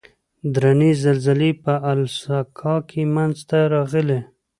درنې زلزلې په الاسکا کې منځته راغلې.